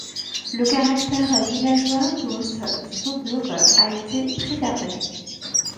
Le caractère villageois d'Oost-Souburg a été préservé.